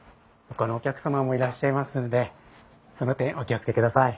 ほかのお客様もいらっしゃいますのでその点お気を付けください。